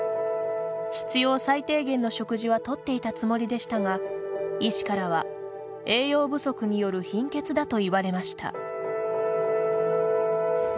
必要最低限の食事は取っていたつもりでしたが医師からは、栄養不足による貧血だといわれました。